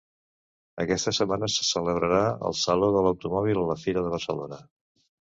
Aquesta setmana se celebrarà el Saló de l'automòbil a la Fira de Barcelona